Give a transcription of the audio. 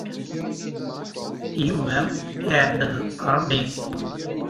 Yuba iɛebbed Ṛebbi.